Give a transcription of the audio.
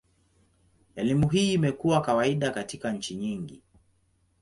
Elimu hii imekuwa kawaida katika nchi nyingi.